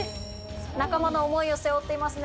仲間の思いを背負っていますね